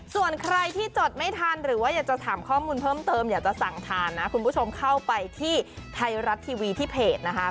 ส่วนใครที่จดไม่ทันหรือว่าอยากจะถามข้อมูลเพิ่มเติมอยากจะสั่งทานนะคุณผู้ชมเข้าไปที่ไทยรัฐทีวีที่เพจนะคะ